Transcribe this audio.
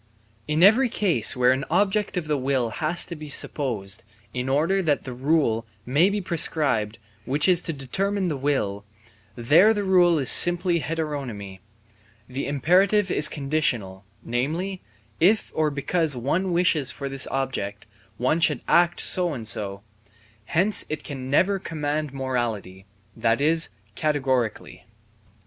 In every case where an object of the will has to be supposed, in order that the rule may be prescribed which is to determine the will, there the rule is simply heteronomy; the imperative is conditional, namely, if or because one wishes for this object, one should act so and so: hence it can never command morally, that is, categorically.